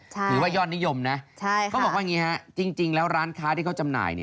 ถือว่ายอดนิยมนะเขาบอกว่าอย่างนี้ฮะจริงแล้วร้านค้าที่เขาจำหน่าย